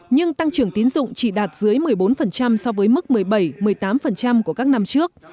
nhưng tăng trưởng tín dụng chỉ đạt dưới một mươi bốn so với mức một mươi bảy một mươi tám của các năm trước